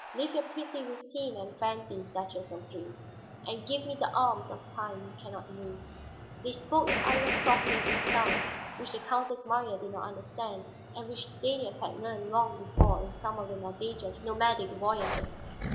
Live your pretty routine and fancies, Duchess of Dreams, and give me the alms of time you can not use." They spoke in Iría's soft native tongue, which the Countess Marya did not understand and which Stanief had learned long before in some of the Nadeja's nomadic voyages.